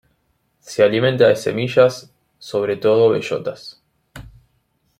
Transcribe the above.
Se alimenta de semillas, sobre todo bellotas.